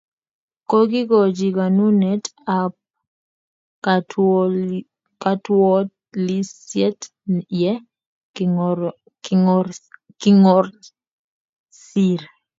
Kogikochi konunet ap kawtlisyet ye kingosir.